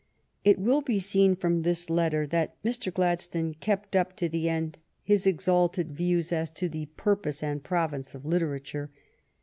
It will be seen from this letter that Mr. Gladstone kept up to the end his exalted views as to the purpose and province of literature.